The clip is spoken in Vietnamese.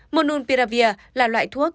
monopiravir là loại thuốc